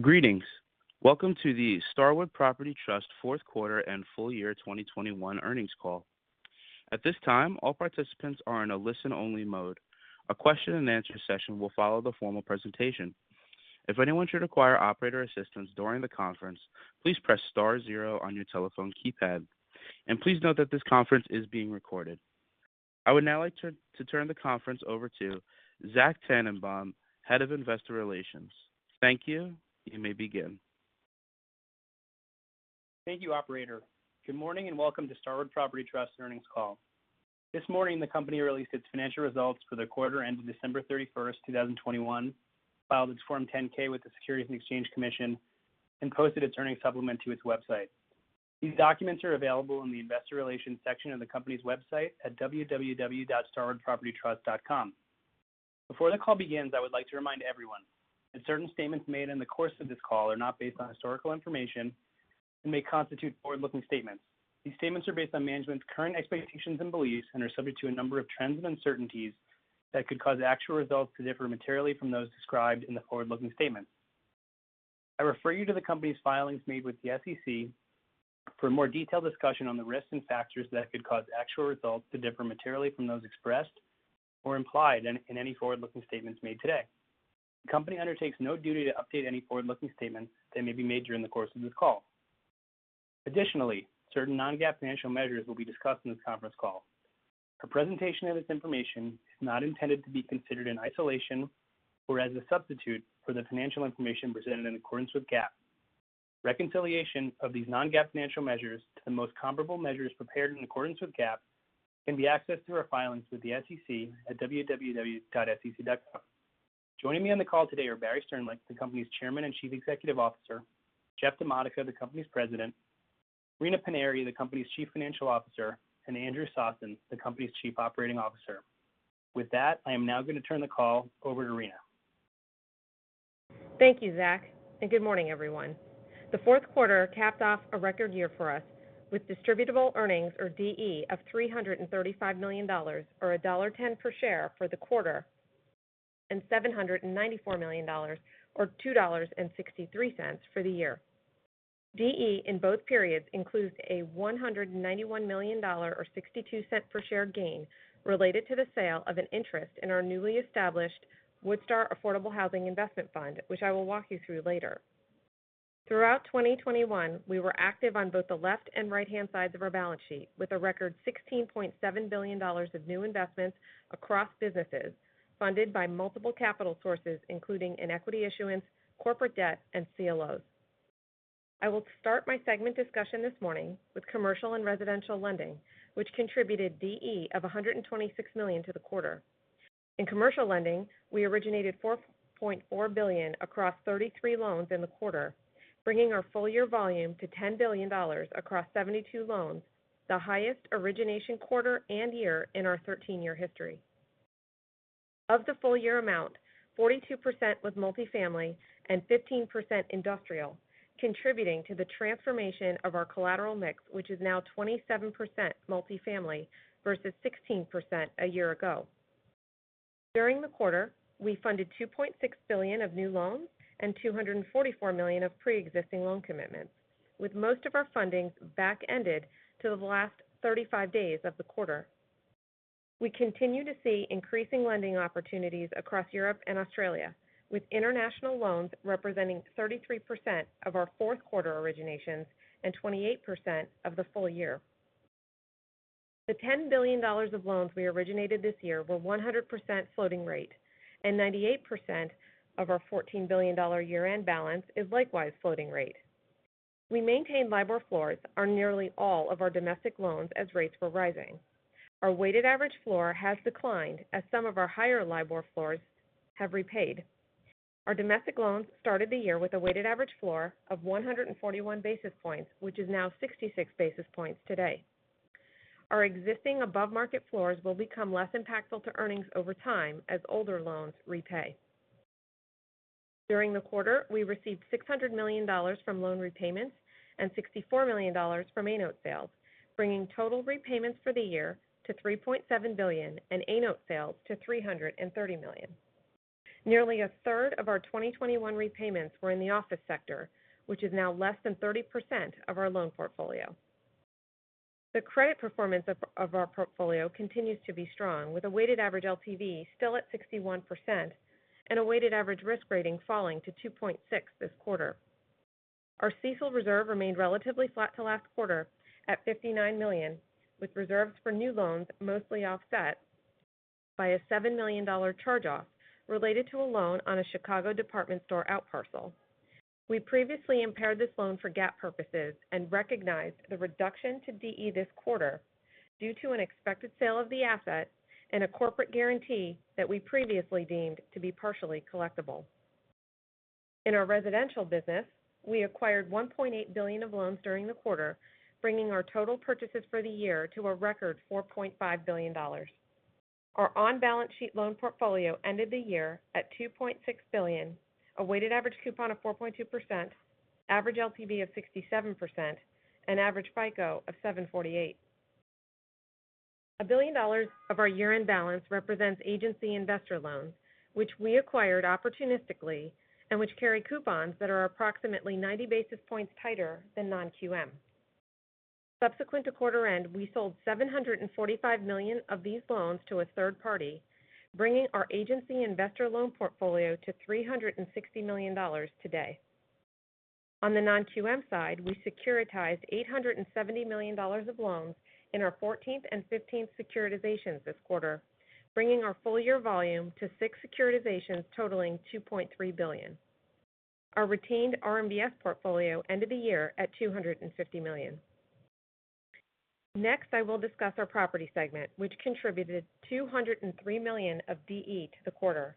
Greetings. Welcome to the Starwood Property Trust Fourth Quarter and Full Year 2021 Earnings Call. At this time, all participants are in a listen-only mode. A question-and-answer session will follow the formal presentation. If anyone should require operator assistance during the conference, please press star zero on your telephone keypad. Please note that this conference is being recorded. I would now like to turn the conference over to Zach Tanenbaum, Head of Investor Relations. Thank you. You may begin. Thank you, operator. Good morning, and welcome to Starwood Property Trust Earnings Call. This morning the company released its financial results for the quarter ending December 31, 2021, filed its Form 10-K with the Securities and Exchange Commission, and posted its earnings supplement to its website. These documents are available in the investor relations section of the company's website at www.starwoodpropertytrust.com. Before the call begins, I would like to remind everyone that certain statements made in the course of this call are not based on historical information and may constitute forward-looking statements. These statements are based on management's current expectations and beliefs and are subject to a number of trends and uncertainties that could cause actual results to differ materially from those described in the forward-looking statements. I refer you to the company's filings made with the SEC for more detailed discussion on the risks and factors that could cause actual results to differ materially from those expressed or implied in any forward-looking statements made today. The company undertakes no duty to update any forward-looking statements that may be made during the course of this call. Additionally, certain non-GAAP financial measures will be discussed in this conference call. A presentation of this information is not intended to be considered in isolation or as a substitute for the financial information presented in accordance with GAAP. Reconciliation of these non-GAAP financial measures to the most comparable measures prepared in accordance with GAAP can be accessed through our filings with the SEC at www.sec.com. Joining me on the call today are Barry Sternlicht, the company's Chairman and Chief Executive Officer, Jeff DiModica, the company's President, Rina Paniry, the company's Chief Financial Officer, and Andrew Sossen, the company's Chief Operating Officer. With that, I am now going to turn the call over to Rina. Thank you, Zach, and good morning, everyone. The fourth quarter capped off a record year for us with distributable earnings, or DE, of $335 million or $1.10 per share for the quarter, and $794 million or $2.63 for the year. DE in both periods includes a $191 million or 62 cents per share gain related to the sale of an interest in our newly established Woodstar Affordable Housing Investment Fund, which I will walk you through later. Throughout 2021 we were active on both the left and right-hand sides of our balance sheet with a record $16.7 billion of new investments across businesses funded by multiple capital sources, including an equity issuance, corporate debt, and CLOs. I will start my segment discussion this morning with Commercial and Residential lending, which contributed DE of $126 million to the quarter. In Commercial lending, we originated $4.4 billion across 33 loans in the quarter, bringing our full year volume to $10 billion across 72 loans, the highest origination quarter and year in our 13-year history. Of the full year amount, 42% was multifamily and 15% industrial, contributing to the transformation of our collateral mix, which is now 27% multifamily versus 16% a year ago. During the quarter, we funded $2.6 billion of new loans and $244 million of pre-existing loan commitments, with most of our funding back-ended to the last 35 days of the quarter. We continue to see increasing lending opportunities across Europe and Australia, with international loans representing 33% of our fourth quarter originations and 28% of the full year. The $10 billion of loans we originated this year were 100% floating rate and 98% of our $14 billion year-end balance is likewise floating rate. We maintained LIBOR floors on nearly all of our domestic loans as rates were rising. Our weighted average floor has declined as some of our higher LIBOR floors have repaid. Our domestic loans started the year with a weighted average floor of 141 basis points, which is now 66 basis points today. Our existing above-market floors will become less impactful to earnings over time as older loans repay. During the quarter, we received $600 million from loan repayments and $64 million from A note sales, bringing total repayments for the year to $3.7 billion and A note sales to $330 million. Nearly a third of our 2021 repayments were in the office sector, which is now less than 30% of our loan portfolio. The credit performance of our portfolio continues to be strong, with a weighted average LTV still at 61% and a weighted average risk rating falling to 2.6 this quarter. Our CECL reserve remained relatively flat to last quarter at $59 million, with reserves for new loans mostly offset by a $7 million charge-off related to a loan on a Chicago department store outparcel. We previously impaired this loan for GAAP purposes and recognized the reduction to DE this quarter due to an expected sale of the asset and a corporate guarantee that we previously deemed to be partially collectible. In our Residential business, we acquired $1.8 billion of loans during the quarter, bringing our total purchases for the year to a record $4.5 billion. Our on-balance sheet loan portfolio ended the year at $2.6 billion, a weighted average coupon of 4.2%, average LTV of 67% and average FICO of 748. $1 billion of our year-end balance represents agency investor loans, which we acquired opportunistically and which carry coupons that are approximately 90 basis points tighter than non-QM. Subsequent to quarter end, we sold $745 million of these loans to a third party, bringing our agency investor loan portfolio to $360 million today. On the non-QM side, we securitized $870 million of loans in our 14th and 15th securitizations this quarter, bringing our full year volume to six securitizations totaling $2.3 billion. Our retained RMBS portfolio ended the year at $250 million. Next, I will discuss our property segment, which contributed $203 million of DE to the quarter.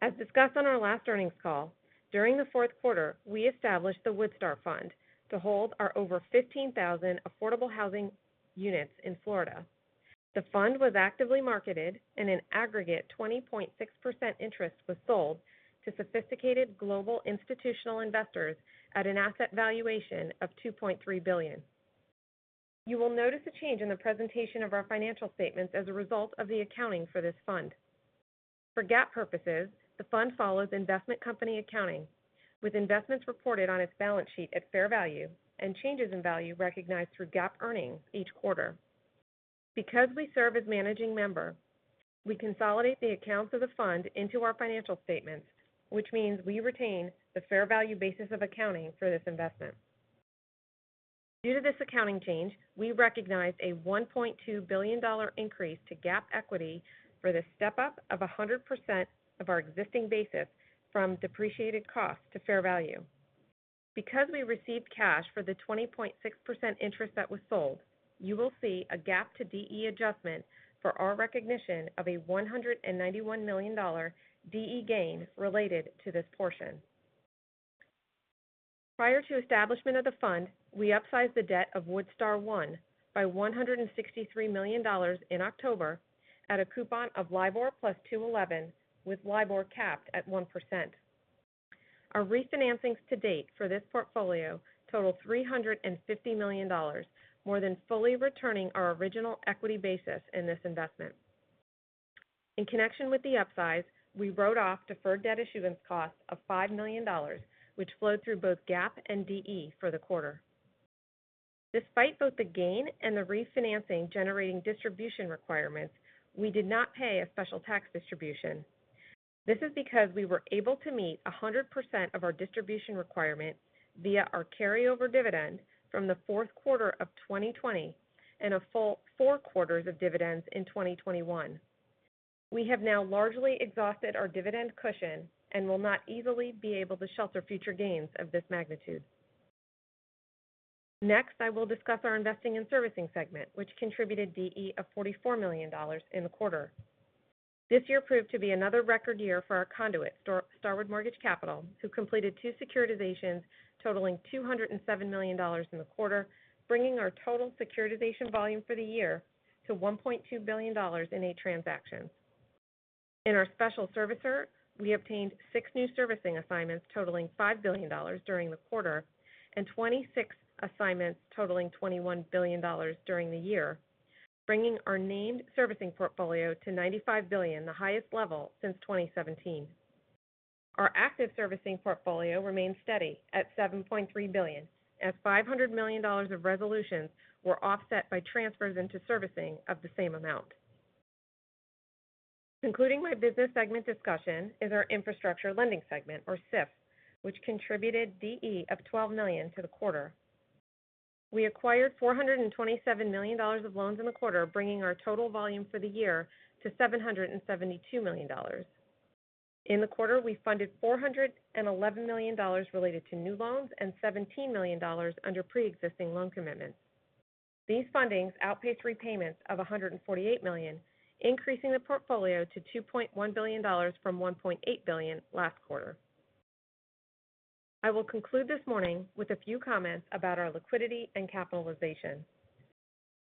As discussed on our last earnings call, during the fourth quarter, we established the Woodstar Fund to hold our over 15,000 affordable housing units in Florida. The fund was actively marketed and an aggregate 20.6% interest was sold to sophisticated global institutional investors at an asset valuation of $2.3 billion. You will notice a change in the presentation of our financial statements as a result of the accounting for this fund. For GAAP purposes, the fund follows investment company accounting, with investments reported on its balance sheet at fair value and changes in value recognized through GAAP earnings each quarter. Because we serve as managing member, we consolidate the accounts of the fund into our financial statements, which means we retain the fair value basis of accounting for this investment. Due to this accounting change, we recognized a $1.2 billion increase to GAAP equity for the step-up of 100% of our existing basis from depreciated cost to fair value. Because we received cash for the 20.6% interest that was sold, you will see a GAAP to DE adjustment for our recognition of a $191 million DE gain related to this portion. Prior to establishment of the fund, we upsized the debt of Woodstar One by $163 million in October at a coupon of LIBOR + 2.11, with LIBOR capped at 1%. Our refinancings to date for this portfolio total $350 million, more than fully returning our original equity basis in this investment. In connection with the upsize, we wrote off deferred debt issuance costs of $5 million, which flowed through both GAAP and DE for the quarter. Despite both the gain and the refinancing generating distribution requirements, we did not pay a special tax distribution. This is because we were able to meet 100% of our distribution requirement via our carryover dividend from the fourth quarter of 2020 and a full four quarters of dividends in 2021. We have now largely exhausted our dividend cushion and will not easily be able to shelter future gains of this magnitude. Next, I will discuss our investing and servicing segment, which contributed DE of $44 million in the quarter. This year proved to be another record year for our conduit, Starwood Mortgage Capital, who completed two securitizations totaling $207 million in the quarter, bringing our total securitization volume for the year to $1.2 billion in eight transactions. In our special servicer, we obtained 6 new servicing assignments totaling $5 billion during the quarter and 26 assignments totaling $21 billion during the year, bringing our named servicing portfolio to $95 billion, the highest level since 2017. Our active servicing portfolio remains steady at $7.3 billion as $500 million of resolutions were offset by transfers into servicing of the same amount. Concluding my business segment discussion is our Infrastructure lending segment, or SIF, which contributed DE of $12 million to the quarter. We acquired $427 million of loans in the quarter, bringing our total volume for the year to $772 million. In the quarter, we funded $411 million related to new loans and $17 million under pre-existing loan commitments. These fundings outpaced repayments of $148 million, increasing the portfolio to $2.1 billion from $1.8 billion last quarter. I will conclude this morning with a few comments about our liquidity and capitalization.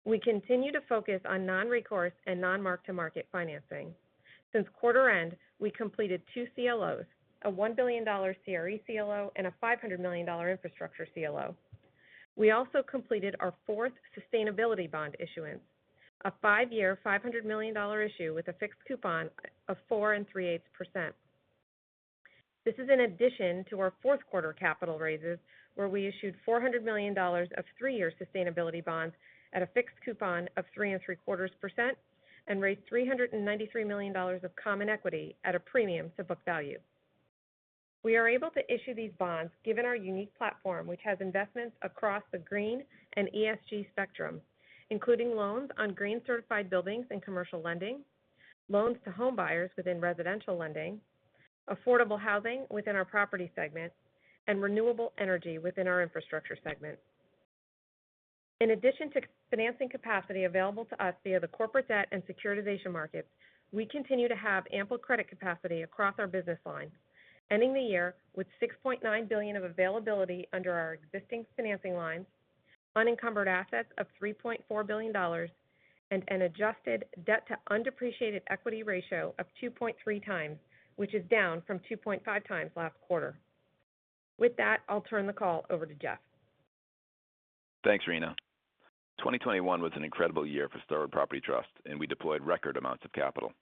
We continue to focus on non-recourse and non-mark-to-market financing. Since quarter end, we completed two CLOs, a $1 billion CRE CLO, and a $500 million infrastructure CLO. We also completed our fourth sustainability bond issuance, a five-year, $500 million issue with a fixed coupon of 4 3/8%. This is in addition to our fourth quarter capital raises, where we issued $400 million of three-year sustainability bonds at a fixed coupon of 3 3/4% and raised $393 million of common equity at a premium to book value. We are able to issue these bonds given our unique platform, which has investments across the green and ESG spectrum, including loans on green certified buildings and Commercial lending, loans to homebuyers within Residential lending, affordable housing within our property segment, and renewable energy within our infrastructure segment. In addition to financing capacity available to us via the corporate debt and securitization markets, we continue to have ample credit capacity across our business lines, ending the year with $6.9 billion of availability under our existing financing lines, unencumbered assets of $3.4 billion, and an adjusted debt-to-undepreciated equity ratio of 2.3 times, which is down from 2.5 times last quarter. With that, I'll turn the call over to Jeff. Thanks, Rina. 2021 was an incredible year for Starwood Property Trust, and we deployed record amounts of capital.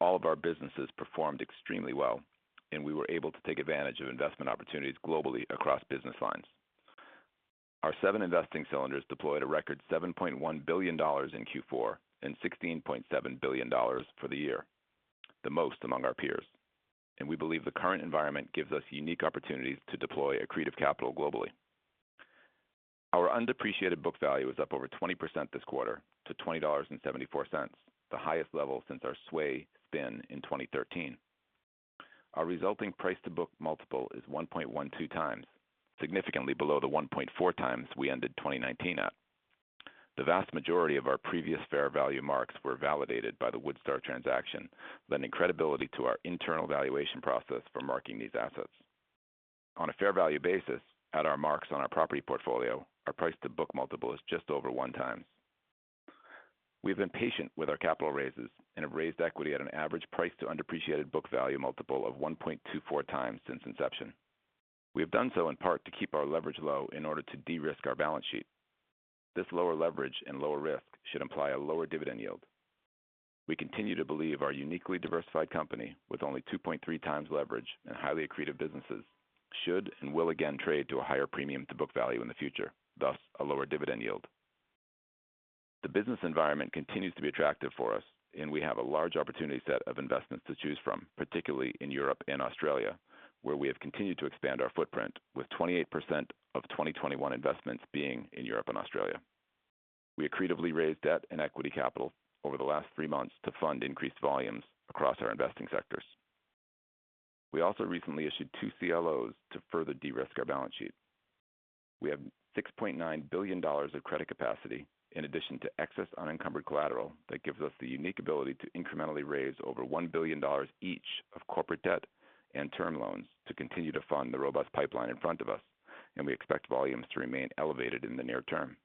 All of our businesses performed extremely well, and we were able to take advantage of investment opportunities globally across business lines. Our seven investing cylinders deployed a record $7.1 billion in Q4 and $16.7 billion for the year, the most among our peers, and we believe the current environment gives us unique opportunities to deploy accretive capital globally. Our undepreciated book value is up over 20% this quarter to $20.74, the highest level since our SWAY spin in 2013. Our resulting price to book multiple is 1.12x, significantly below the 1.4x we ended 2019 at. The vast majority of our previous fair value marks were validated by the Woodstar transaction, lending credibility to our internal valuation process for marking these assets. On a fair value basis, at our marks on our property portfolio, our price to book multiple is just over 1x. We've been patient with our capital raises and have raised equity at an average price to undepreciated book value multiple of 1.24x since inception. We have done so in part to keep our leverage low in order to de-risk our balance sheet. This lower leverage and lower risk should imply a lower dividend yield. We continue to believe our uniquely diversified company with only 2.3x leverage and highly accretive businesses should and will again trade to a higher premium to book value in the future, thus a lower dividend yield. The business environment continues to be attractive for us, and we have a large opportunity set of investments to choose from, particularly in Europe and Australia, where we have continued to expand our footprint with 28% of 2021 investments being in Europe and Australia. We accretively raised debt and equity capital over the last three months to fund increased volumes across our investing sectors. We also recently issued 2 CLOs to further de-risk our balance sheet. We have $6.9 billion of credit capacity in addition to excess unencumbered collateral that gives us the unique ability to incrementally raise over $1 billion each of corporate debt and term loans to continue to fund the robust pipeline in front of us, and we expect volumes to remain elevated in the near term.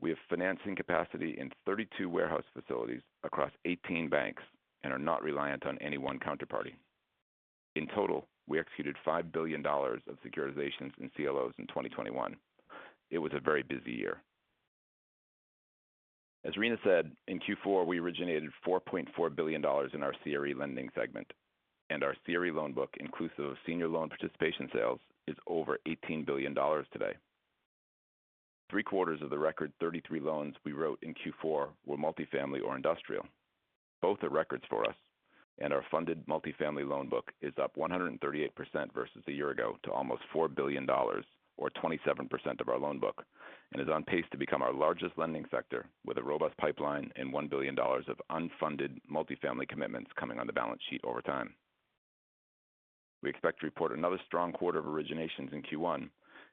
We have financing capacity in 32 warehouse facilities across 18 banks and are not reliant on any one counterparty. In total, we executed $5 billion of securitizations in CLOs in 2021. It was a very busy year. As Rina said, in Q4, we originated $4.4 billion in our CRE lending segment, and our CRE loan book inclusive of senior loan participation sales is over $18 billion today. Three quarters of the record 33 loans we wrote in Q4 were multi-family or industrial. Both are records for us. Our funded multi-family loan book is up 138% versus a year ago to almost $4 billion or 27% of our loan book and is on pace to become our largest lending sector with a robust pipeline and $1 billion of unfunded multi-family commitments coming on the balance sheet over time. We expect to report another strong quarter of originations in Q1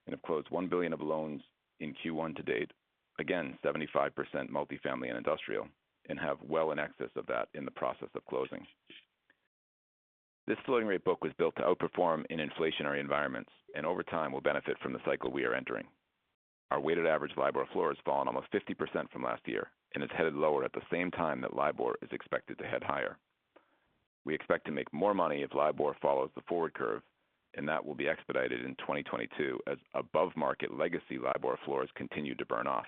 and have closed $1 billion of loans in Q1-to-date. Again, 75% multi-family and industrial and have well in excess of that in the process of closing. This floating rate book was built to outperform in inflationary environments and over time will benefit from the cycle we are entering. Our weighted average LIBOR floor has fallen almost 50% from last year and is headed lower at the same time that LIBOR is expected to head higher. We expect to make more money if LIBOR follows the forward curve, and that will be expedited in 2022 as above market legacy LIBOR floors continue to burn off.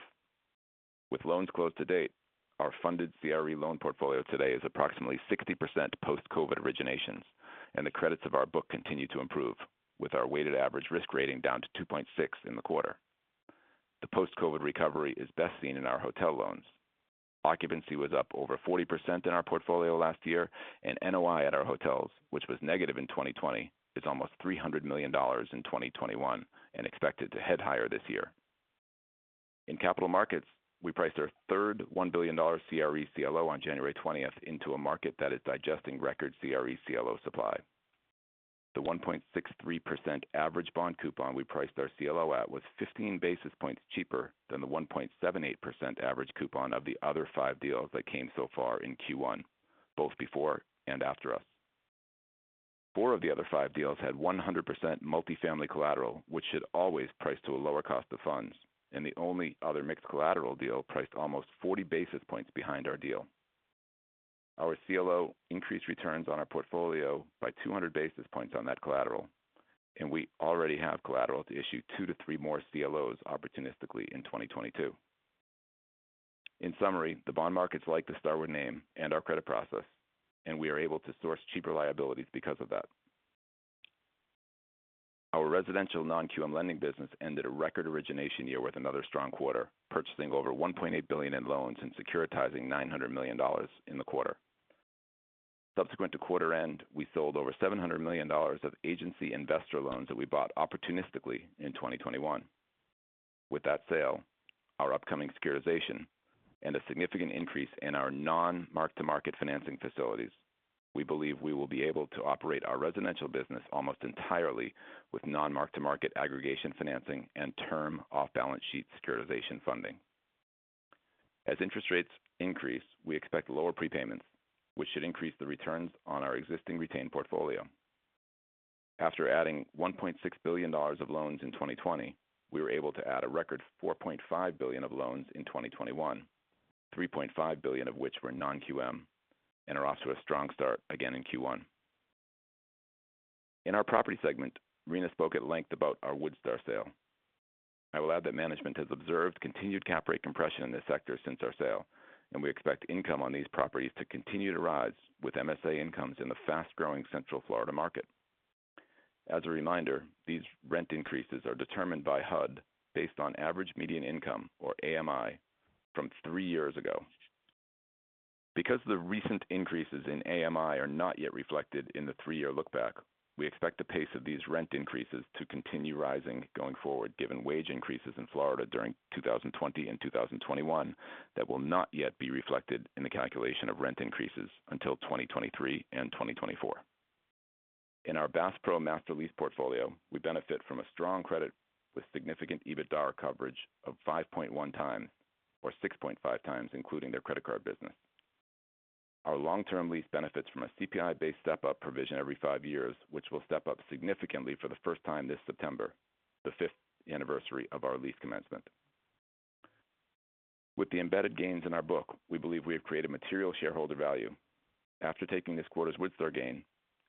With loans closed to date, our funded CRE loan portfolio today is approximately 60% post-Covid originations, and the credits of our book continue to improve with our weighted average risk rating down to 2.6 in the quarter. The post-Covid recovery is best seen in our hotel loans. Occupancy was up over 40% in our portfolio last year, and NOI at our hotels, which was negative in 2020, is almost $300 million in 2021 and expected to head higher this year. In capital markets, we priced our third $1 billion CRE CLO on January 20th into a market that is digesting record CRE CLO supply. The 1.63% average bond coupon we priced our CLO at was 15 basis points cheaper than the 1.78% average coupon of the other five deals that came so far in Q1, both before and after us. Four of the other five deals had 100% multifamily collateral, which should always price to a lower cost of funds. The only other mixed collateral deal priced almost 40 basis points behind our deal. Our CLO increased returns on our portfolio by 200 basis points on that collateral, and we already have collateral to issue 2-3 more CLOs opportunistically in 2022. In summary, the bond markets like the Starwood name and our credit process, and we are able to source cheaper liabilities because of that. Our residential non-QM lending business ended a record origination year with another strong quarter, purchasing over $1.8 billion in loans and securitizing $900 million in the quarter. Subsequent to quarter end, we sold over $700 million of agency investor loans that we bought opportunistically in 2021. With that sale, our upcoming securitization and a significant increase in our non-mark-to-market financing facilities, we believe we will be able to operate our Residential business almost entirely with non-mark-to-market aggregation financing and term off-balance sheet securitization funding. As interest rates increase, we expect lower prepayments, which should increase the returns on our existing retained portfolio. After adding $1.6 billion of loans in 2020, we were able to add a record $4.5 billion of loans in 2021, $3.5 billion of which were non-QM. We are off to a strong start again in Q1. In our property segment, Rina spoke at length about our Woodstar sale. I will add that management has observed continued cap rate compression in this sector since our sale, and we expect income on these properties to continue to rise with MSA incomes in the fast-growing Central Florida market. As a reminder, these rent increases are determined by HUD based on average median income, or AMI, from three years ago. Because the recent increases in AMI are not yet reflected in the three-year look-back, we expect the pace of these rent increases to continue rising going forward, given wage increases in Florida during 2020 and 2021 that will not yet be reflected in the calculation of rent increases until 2023 and 2024. In our Bass Pro master lease portfolio, we benefit from a strong credit with significant EBITDAR coverage of 5.1 times or 6.5 times, including their Credit Card business. Our long-term lease benefits from a CPI-based step-up provision every 5 years, which will step up significantly for the first time this September, the fifth anniversary of our lease commencement. With the embedded gains in our book, we believe we have created material shareholder value. After taking this quarter's Woodstar gain,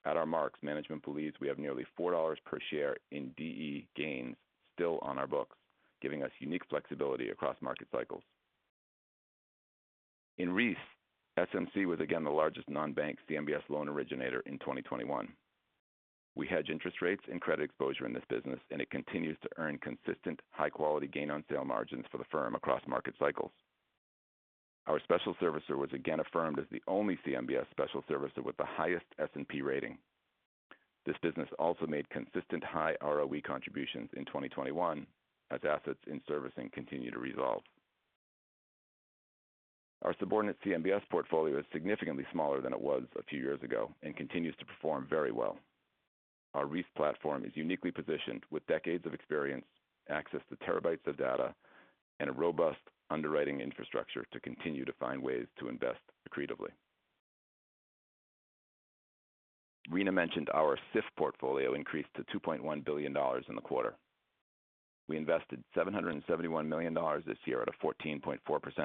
at our marks, management believes we have nearly $4 per share in DE gains still on our books, giving us unique flexibility across market cycles. In REIS, SMC was again the largest non-bank CMBS loan originator in 2021. We hedge interest rates and credit exposure in this business, and it continues to earn consistent, high-quality gain on sale margins for the firm across market cycles. Our special servicer was again affirmed as the only CMBS special servicer with the highest S&P rating. This business also made consistent high ROE contributions in 2021 as assets in servicing continue to resolve. Our subordinate CMBS portfolio is significantly smaller than it was a few years ago and continues to perform very well. Our REIS platform is uniquely positioned with decades of experience, access to terabytes of data, and a robust underwriting infrastructure to continue to find ways to invest accretively. Rina mentioned our SIF portfolio increased to $2.1 billion in the quarter. We invested $771 million this year at a 14.4%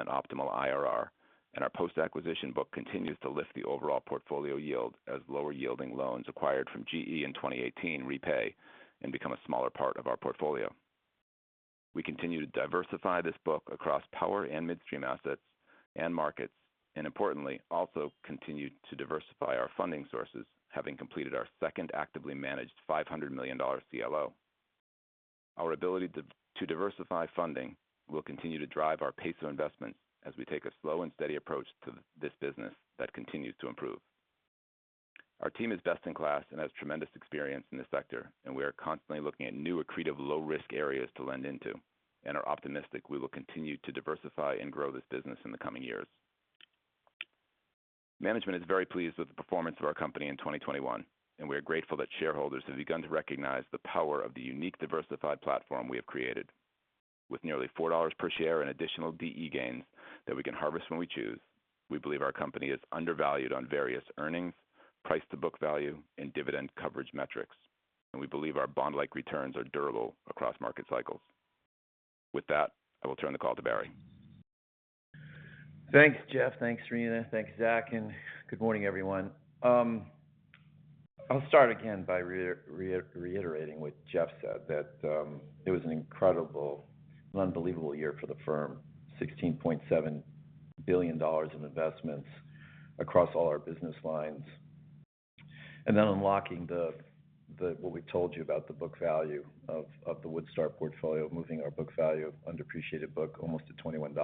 optimal IRR, and our post-acquisition book continues to lift the overall portfolio yield as lower-yielding loans acquired from GE in 2018 repay and become a smaller part of our portfolio. We continue to diversify this book across power and midstream assets and markets, and importantly, also continue to diversify our funding sources, having completed our second actively managed $500 million CLO. Our ability to diversify funding will continue to drive our pace of investment as we take a slow and steady approach to this business that continues to improve. Our team is best in class and has tremendous experience in this sector, and we are constantly looking at new accretive low-risk areas to lend into and are optimistic we will continue to diversify and grow this business in the coming years. Management is very pleased with the performance of our company in 2021, and we are grateful that shareholders have begun to recognize the power of the unique, diversified platform we have created. With nearly $4 per share in additional DE gains that we can harvest when we choose, we believe our company is undervalued on various earnings, price-to-book value, and dividend coverage metrics, and we believe our bond-like returns are durable across market cycles. With that, I will turn the call to Barry. Thanks, Jeff. Thanks, Rina. Thanks, Zach, and good morning, everyone. I'll start again by reiterating what Jeff said that it was an incredible and unbelievable year for the firm. $16.7 billion in investments across all our business lines. Unlocking what we told you about the book value of the Woodstar portfolio, moving our book value of undepreciated book almost to $21.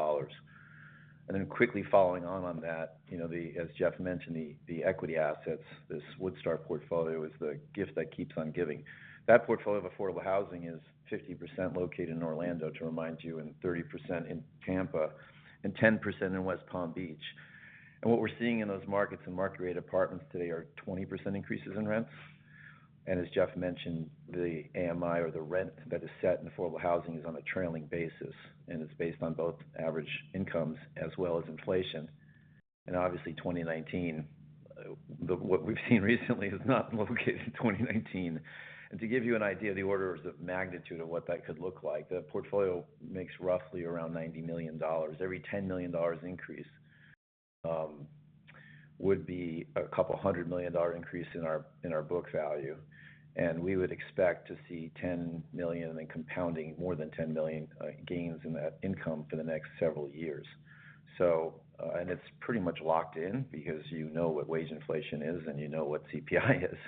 Quickly following on that, you know, as Jeff mentioned, the equity assets. This Woodstar portfolio is the gift that keeps on giving. That portfolio of affordable housing is 50% located in Orlando, to remind you, and 30% in Tampa and 10% in West Palm Beach. What we're seeing in those markets and market-rate apartments today are 20% increases in rents. As Jeff mentioned, the AMI or the rent that is set in affordable housing is on a trailing basis, and it's based on both average incomes as well as inflation. Obviously, 2019, what we've seen recently is not located in 2019. To give you an idea of the orders of magnitude of what that could look like, the portfolio makes roughly around $90 million. Every $10 million increase would be a couple hundred million dollar increase in our book value, and we would expect to see $10 million and then compounding more than $10 million gains in that income for the next several years. It's pretty much locked in because you know what wage inflation is and you know what CPI is.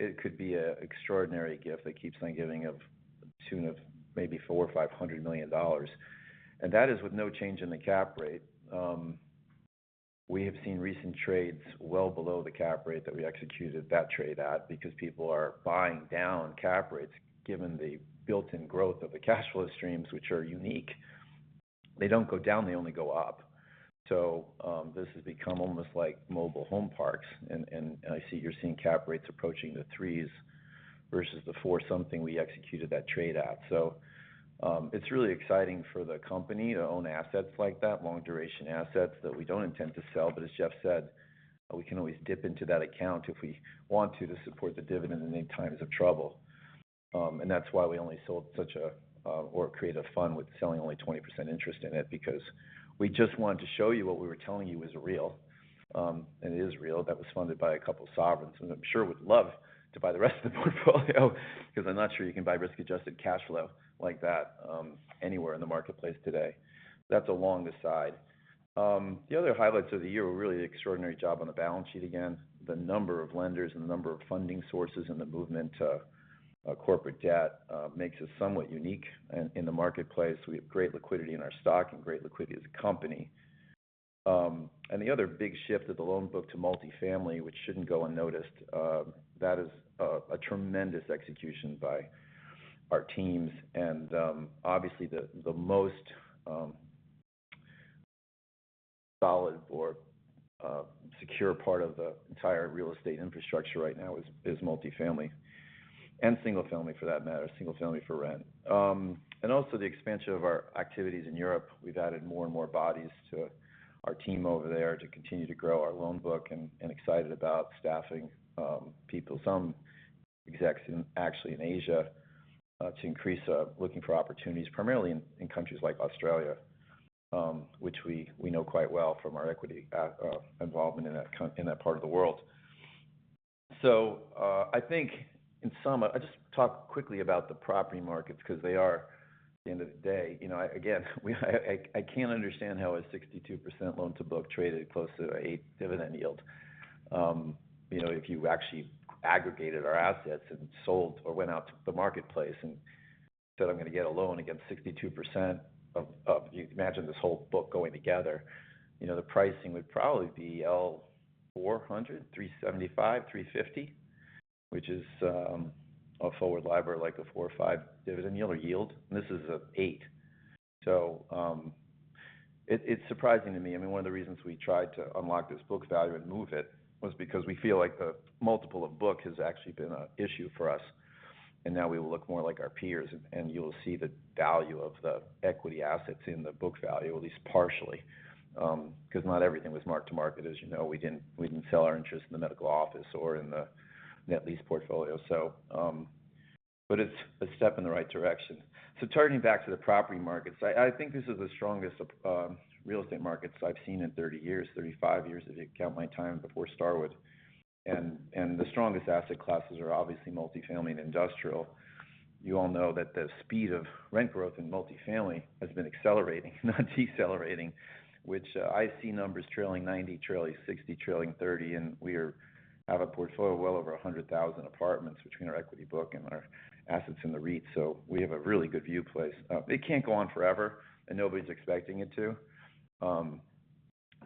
It could be an extraordinary gift that keeps on giving to the tune of maybe $400 million or $500 million. That is with no change in the cap rate. We have seen recent trades well below the cap rate that we executed that trade at because people are buying down cap rates given the built-in growth of the cash flow streams, which are unique. They don't go down. They only go up. This has become almost like mobile home parks. I see you're seeing cap rates approaching the threes versus the four-something we executed that trade at. It's really exciting for the company to own assets like that, long-duration assets that we don't intend to sell. As Jeff said, we can always dip into that account if we want to support the dividend in any times of trouble. That's why we only sold or create a fund with selling only 20% interest in it because we just wanted to show you what we were telling you is real. It is real. That was funded by a couple sovereigns, and I'm sure would love to buy the rest of the portfolio because I'm not sure you can buy risk-adjusted cash flow like that, anywhere in the marketplace today. That's along the side. The other highlights of the year were really extraordinary job on the balance sheet again. The number of lenders and the number of funding sources and the movement to corporate debt makes us somewhat unique in the marketplace. We have great liquidity in our stock and great liquidity as a company. The other big shift of the loan book to multifamily, which shouldn't go unnoticed, that is a tremendous execution by our teams and, obviously the most solid or secure part of the entire real estate infrastructure right now is multifamily and single family for that matter, single family for rent. Also the expansion of our activities in Europe. We've added more and more bodies to our team over there to continue to grow our loan book and excited about staffing people. Some execs actually in Asia to increase looking for opportunities primarily in countries like Australia, which we know quite well from our equity involvement in that part of the world. I think in sum, I'll just talk quickly about the property markets because they are at the end of the day. You know, again, I can't understand how a 62% loan to book traded close to an 8% dividend yield. You know, if you actually aggregated our assets and sold or went out to the marketplace and said, "I'm gonna get a loan against 62% of." You imagine this whole book going together. You know, the pricing would probably be L 400, 375, 350, which is a forward LIBOR like a 4 or 5 dividend yield. And this is 8. It is surprising to me. I mean, one of the reasons we tried to unlock this book value and move it was because we feel like the multiple of book has actually been an issue for us. Now we will look more like our peers, and you'll see the value of the equity assets in the book value at least partially, because not everything was marked to market. As you know, we didn't sell our interest in the medical office or in the net lease portfolio. But it's a step in the right direction. Turning back to the property markets, I think this is the strongest real estate markets I've seen in 30 years, 35 years if you count my time before Starwood. The strongest asset classes are obviously multifamily and industrial. You all know that the speed of rent growth in multifamily has been accelerating, not decelerating, which, I see numbers trailing 90, trailing 60, trailing 30, and we're out of portfolio well over 100,000 apartments between our equity book and our assets in the REIT. We have a really good view place. It can't go on forever, and nobody's expecting it to.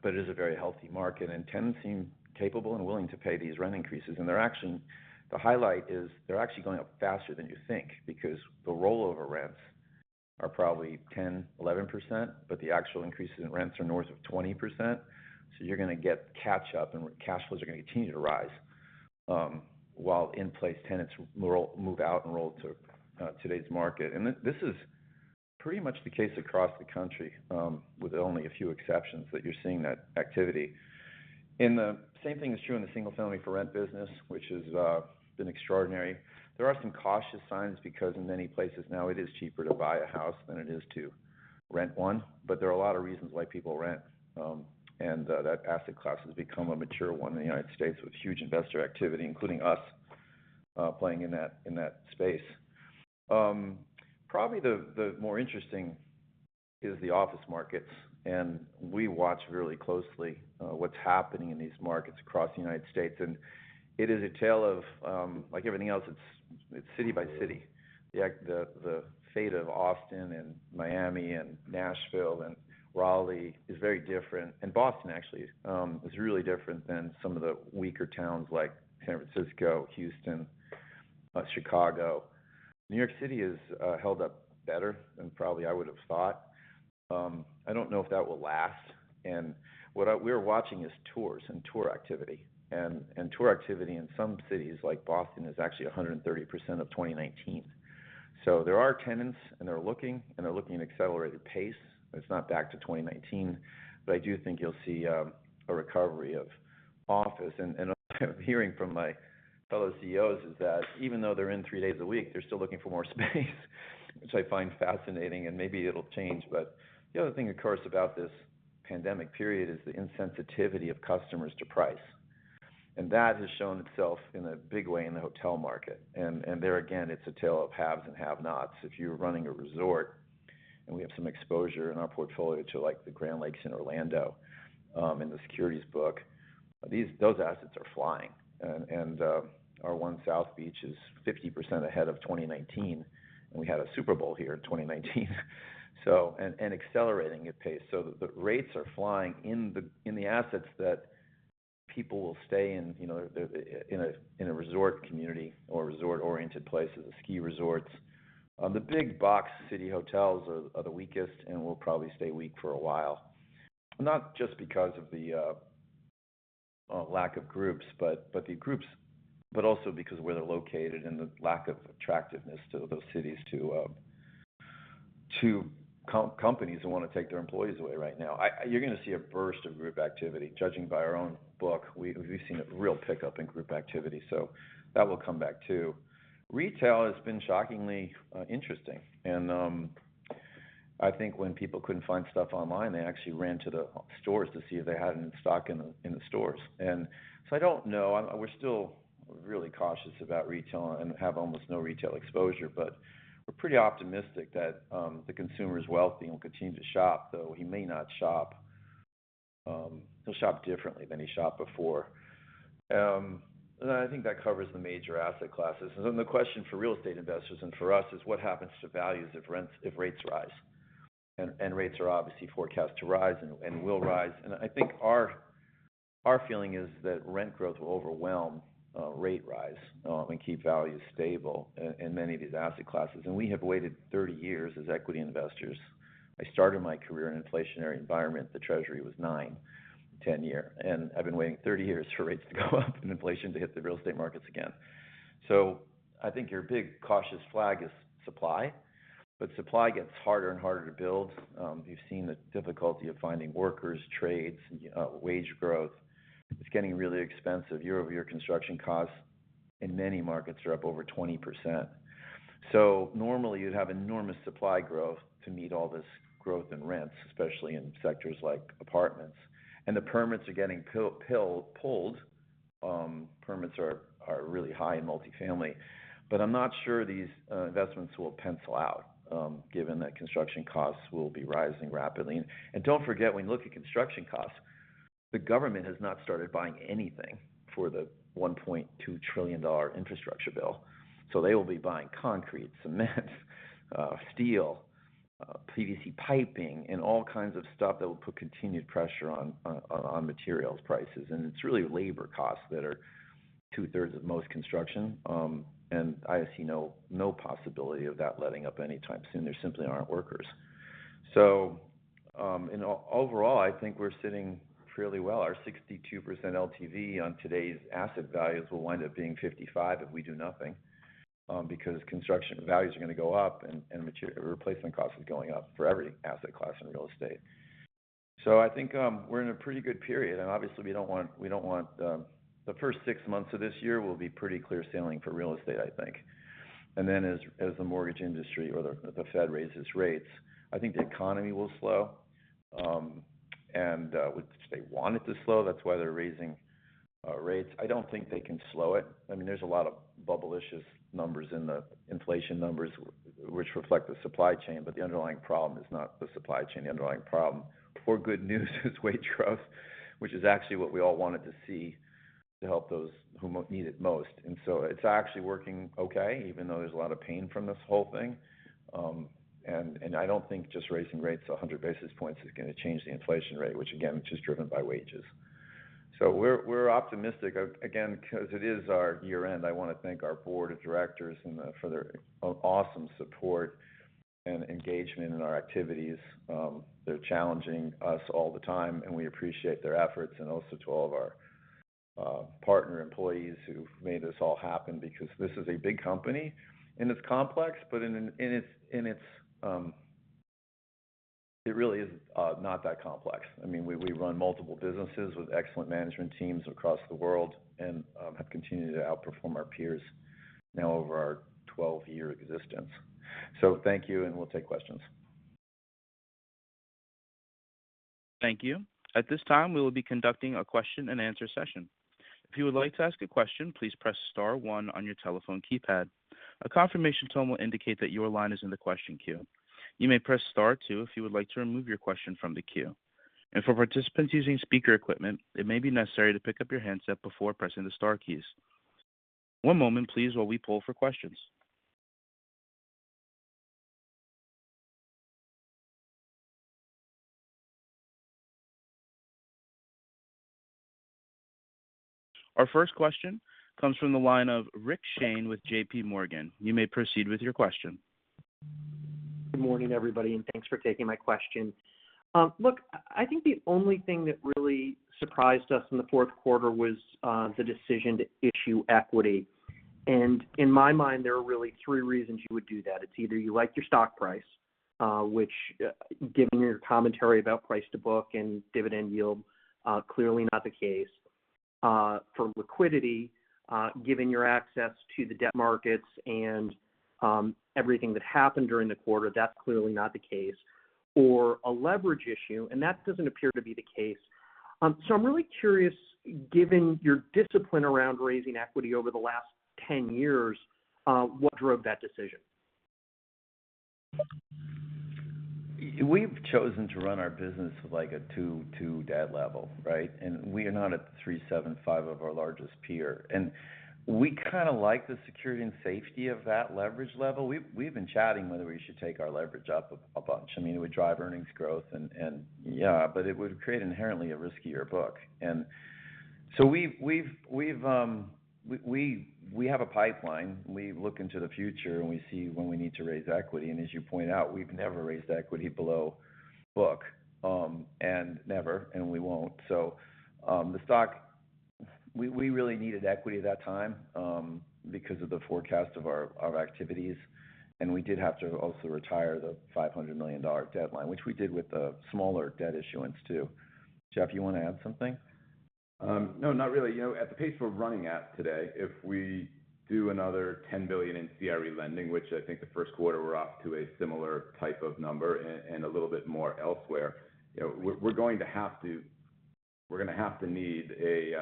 It is a very healthy market, and tenants seem capable and willing to pay these rent increases. The highlight is they're actually going up faster than you think because the rollover rents are probably 10, 11%, but the actual increases in rents are north of 20%. You're gonna get catch up and cash flows are gonna continue to rise, while in-place tenants move out and roll to today's market. This is pretty much the case across the country, with only a few exceptions that you're seeing that activity. The same thing is true in the single-family for rent business, which has been extraordinary. There are some cautious signs because in many places now it is cheaper to buy a house than it is to rent one. There are a lot of reasons why people rent, and that asset class has become a mature one in the United States with huge investor activity, including us, playing in that space. Probably the more interesting is the office markets. We watch really closely what's happening in these markets across the United States. It is a tale of, like everything else, it's city-by-city. The fate of Austin and Miami and Nashville and Raleigh is very different. Boston actually is really different than some of the weaker towns like San Francisco, Houston, Chicago. New York City has held up better than probably I would have thought. I don't know if that will last. What we're watching is tours and tour activity. Tour activity in some cities like Boston is actually 130% of 2019. There are tenants, and they're looking, and they're looking at accelerated pace. It's not back to 2019, but I do think you'll see a recovery of office. What I'm hearing from my fellow CEOs is that even though they're in three days a week, they're still looking for more space, which I find fascinating, and maybe it'll change. The other thing, of course, about this pandemic period is the insensitivity of customers to price. That has shown itself in a big way in the hotel market. There again, it's a tale of haves and have-nots. If you're running a resort, and we have some exposure in our portfolio to like the Grande Lakes in Orlando, in the securities book, those assets are flying. Our 1 Hotel South Beach is 50% ahead of 2019, and we had a Super Bowl here in 2019. Accelerating at pace. The rates are flying in the assets that people will stay in, you know, in a resort community or resort-oriented places, ski resorts. The big box city hotels are the weakest and will probably stay weak for a while, not just because of the lack of groups, but also because of where they're located and the lack of attractiveness to those cities to companies who want to take their employees away right now. You're gonna see a burst of group activity. Judging by our own book, we've seen a real pickup in group activity. That will come back, too. Retail has been shockingly interesting. I think when people couldn't find stuff online, they actually ran to the stores to see if they had it in stock in the stores. I don't know, we're still really cautious about retail and have almost no retail exposure. We're pretty optimistic that the consumer's wealthy and will continue to shop, though he may not shop. He'll shop differently than he shopped before. I think that covers the major asset classes. Then the question for real estate investors and for us is what happens to values if rates rise? Rates are obviously forecast to rise and will rise. I think our feeling is that rent growth will overwhelm rate rise and keep values stable in many of these asset classes. We have waited 30 years as equity investors. I started my career in an inflationary environment. The treasury was 9 ten-year, and I've been waiting 30 years for rates to go up and inflation to hit the real estate markets again. I think your big cautious flag is supply. Supply gets harder and harder to build. You've seen the difficulty of finding workers, trades, wage growth. It's getting really expensive. Year-over-year construction costs in many markets are up over 20%. Normally, you'd have enormous supply growth to meet all this growth in rents, especially in sectors like apartments. The permits are getting pulled. Permits are really high in multifamily. I'm not sure these investments will pencil out, given that construction costs will be rising rapidly. Don't forget, when you look at construction costs, the government has not started buying anything for the $1.2 trillion infrastructure bill. They will be buying concrete, cement, steel, PVC piping, and all kinds of stuff that will put continued pressure on materials prices. It's really labor costs that are two-thirds of most construction. I see no possibility of that letting up anytime soon. There simply aren't workers. Overall, I think we're sitting fairly well. Our 62% LTV on today's asset values will wind up being 55 if we do nothing, because construction values are gonna go up and replacement cost is going up for every asset class in real estate. I think we're in a pretty good period, and obviously we don't want. The first six months of this year will be pretty clear sailing for real estate, I think. Then as the Mortgage industry or the Fed raises rates, I think the economy will slow. Which they want it to slow, that's why they're raising rates. I don't think they can slow it. I mean, there's a lot of bubblicious numbers in the inflation numbers, which reflect the supply chain, but the underlying problem is not the supply chain. The underlying problem, for good news, is wage growth, which is actually what we all wanted to see to help those who need it most. It's actually working okay, even though there's a lot of pain from this whole thing. I don't think just raising rates 100 basis points is gonna change the inflation rate, which again, which is driven by wages. We're optimistic. Again, because it is our year-end, I wanna thank our board of directors and the-- for their awesome support and engagement in our activities. They're challenging us all the time, and we appreciate their efforts, and also to all of our partner employees who've made this all happen because this is a big company, and it's complex, but in its. It really is not that complex. I mean, we run multiple businesses with excellent management teams across the world and have continued to outperform our peers now over our 12-year existence. Thank you, and we'll take questions. Thank you. At this time, we will be conducting a question and answer session. If you would like to ask a question, please press star one on your telephone keypad. A confirmation tone will indicate that your line is in the question queue. You may press star two if you would like to remove your question from the queue. For participants using speaker equipment, it may be necessary to pick up your handset before pressing the star keys. One moment, please, while we pull for questions. Our first question comes from the line of Rick Shane with JPMorgan. You may proceed with your question. Good morning, everybody, and thanks for taking my question. Look, I think the only thing that really surprised us in the fourth quarter was the decision to issue equity. In my mind, there are really three reasons you would do that. It's either you like your stock price, which, given your commentary about price to book and dividend yield, clearly not the case. For liquidity, given your access to the debt markets and everything that happened during the quarter, that's clearly not the case. A leverage issue, and that doesn't appear to be the case. I'm really curious, given your discipline around raising equity over the last 10 years, what drove that decision? We've chosen to run our business like a 2.2 debt level, right? We are not at the 3.75 of our largest peer. We kinda like the security and safety of that leverage level. We've been chatting whether we should take our leverage up a bunch. I mean, it would drive earnings growth and, yeah, but it would create inherently a riskier book. We have a pipeline. We look into the future, and we see when we need to raise equity. As you point out, we've never raised equity below book, and we won't. The stock. We really needed equity at that time, because of the forecast of our activities, and we did have to also retire the $500 million debt line, which we did with a smaller debt issuance too. Jeff, you wanna add something? No, not really. You know, at the pace we're running at today, if we do another $10 billion in CRE lending, which I think the first quarter we're off to a similar type of number and a little bit more elsewhere, you know, we're going to have to need a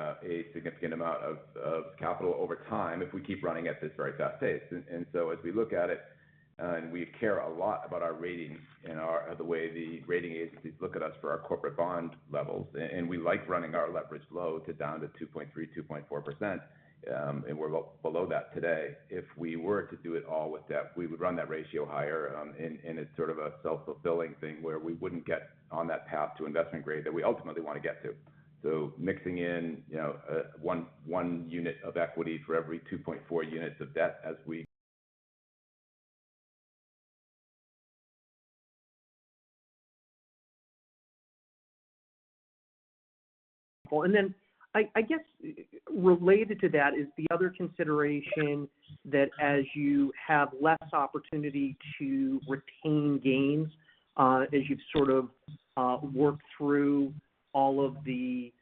significant amount of capital over time if we keep running at this very fast pace. As we look at it, we care a lot about our ratings and the way the rating agencies look at us for our corporate bond levels. We like running our leverage low down to 2.3%-2.4%, and we're below that today. If we were to do it all with debt, we would run that ratio higher, and it's sort of a self-fulfilling thing where we wouldn't get on that path to investment grade that we ultimately wanna get to. Mixing in, you know, one unit of equity for every 2.4 units of debt as we. I guess related to that is the other consideration that as you have less opportunity to retain gains, as you've sort of worked through all of the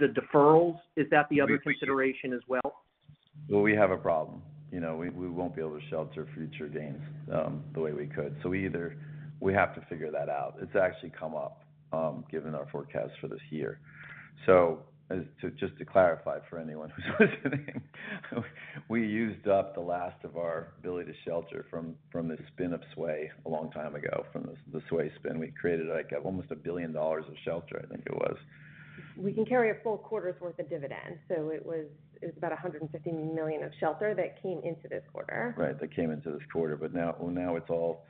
deferrals. Is that the other consideration as well? Well, we have a problem. You know, we won't be able to shelter future gains, the way we could. We have to figure that out. It's actually come up, given our forecast for this year. To clarify for anyone who's listening, we used up the last of our ability to shelter from the spin of SWAY a long time ago. From the SWAY spin, we created, like, almost $1 billion of shelter, I think it was. We can carry a full quarter's worth of dividend. It was about $150 million of shelter that came into this quarter. Right, that came into this quarter. Now, well, now it's all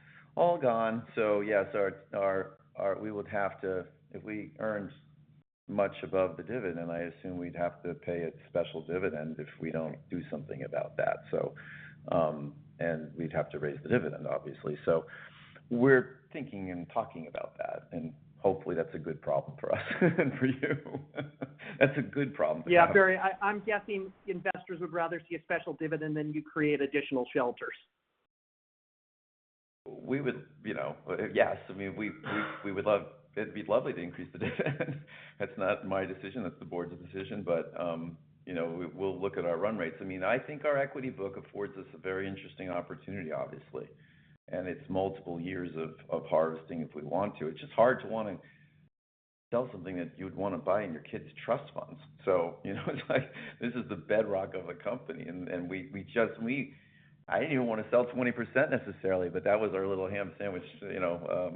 gone. Yes, we would have to, if we earned much above the dividend, I assume we'd have to pay a special dividend if we don't do something about that. We'd have to raise the dividend obviously. We're thinking and talking about that, and hopefully that's a good problem for us and for you. That's a good problem to have. Yeah. Barry, I'm guessing investors would rather see a special dividend than you create additional shelters. We would. I mean, we would love it'd be lovely to increase the dividend. That's not my decision, that's the board's decision. But, you know, we'll look at our run rates. I mean, I think our equity book affords us a very interesting opportunity, obviously, and it's multiple years of harvesting if we want to. It's just hard to wanna sell something that you'd wanna buy in your kids' trust funds. You know, it's like this is the bedrock of a company and we just, we. I didn't even wanna sell 20% necessarily, but that was our little ham sandwich, you know,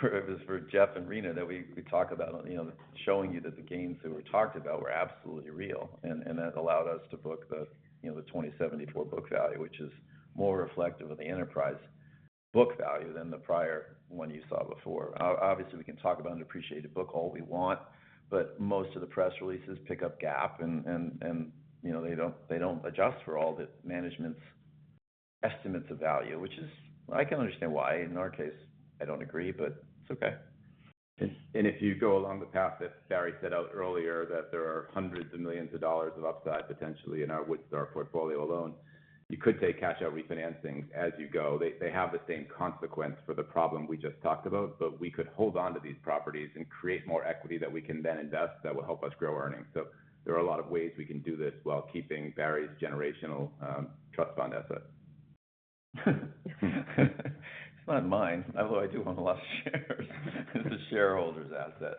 for this, for Jeff and Rina that we talk about, you know, showing you that the gains that were talked about were absolutely real. That allowed us to book the, you know, the 2014 book value, which is more reflective of the enterprise book value than the prior one you saw before. Obviously, we can talk about an appreciated book all we want, but most of the press releases pick up GAAP and, you know, they don't adjust for all the management's estimates of value, which is I can understand why in our case. I don't agree, but it's okay. If you go along the path that Barry set out earlier, that there are hundreds of millions of dollars of upside potentially in our portfolio alone, you could take cash out refinancing as you go. They have the same consequence for the problem we just talked about, but we could hold onto these properties and create more equity that we can then invest that will help us grow earnings. There are a lot of ways we can do this while keeping Barry's generational trust fund asset. It's not mine, although I do own a lot of shares. It's the shareholders' asset.